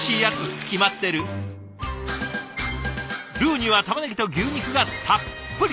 ルーにはたまねぎと牛肉がたっぷり！